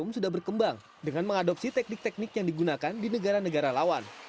sudah berkembang dengan mengadopsi teknik teknik yang digunakan di negara negara lawan